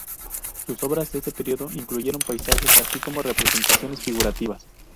Sus obras de este periodo incluyeron paisajes así como representaciones figurativas.